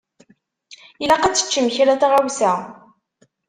Ilaq ad teččem kra n tɣawsa.